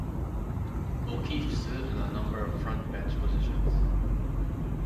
O'Keeffe served in a number of frontbench positions.